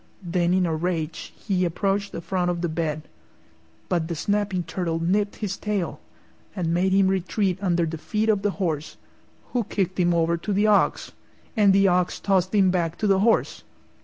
Then in a rage he approached the front of the bed; but the snapping turtle nipped his tail and made him retreat under the feet of the horse, who kicked him over to the ox, and the ox tossed him back to the horse.